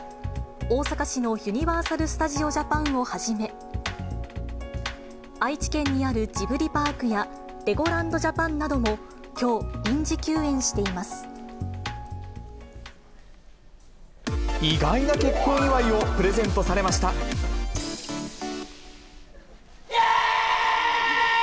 大阪市のユニバーサル・スタジオ・ジャパンをはじめ、愛知県にあるジブリパークや、レゴランド・ジャパンなどもきょう、意外な結婚祝いをプレゼントイエーイ！